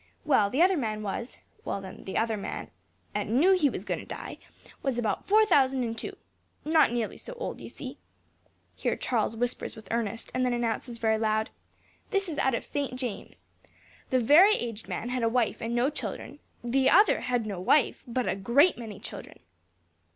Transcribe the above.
Well, the other man was well, then, the other man 'at knew he was going to die, was about four thousand and two; not nearly so old, you see." (Here Charles whispers with Ernest, and then announces very loud), "This is out of St. James. The very aged man had a wife and no children; and the other had no wife, but a great many children.